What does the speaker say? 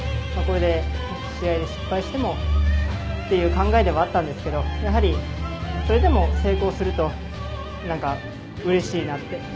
これで試合で失敗してもという考えではあったんですがそれでも成功するとうれしいなって。